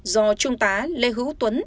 do trung tá lê hữu tuấn